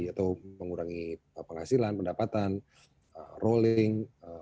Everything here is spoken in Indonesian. atau mengurangi penghasilan pendapatan rolling